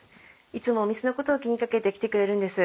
いつもお店のことを気にかけて来てくれるんです。